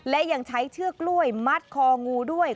และยังใช้เชือกกล้วยมัดคองูด้วย